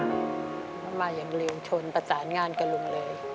แล้วมาอย่างเร็วชนประสานงานกับลุงเลย